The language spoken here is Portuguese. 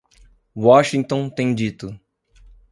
Washington tem dito